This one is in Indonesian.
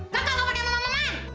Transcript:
gak gak gak gak gak gak gak